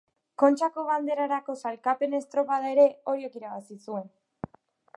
Kontxako Banderarako Sailkapen estropada ere Oriok irabazi zuen.